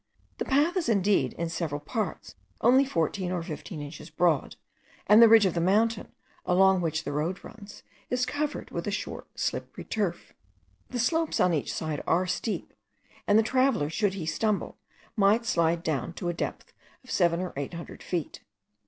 The path is indeed in several parts only fourteen or fifteen inches broad; and the ridge of the mountain, along which the road runs, is covered with a short slippery turf. The slopes on each side are steep, and the traveller, should he stumble, might slide down to the depth of seven or eight hundred feet.